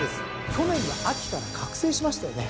去年の秋から覚醒しましたよね。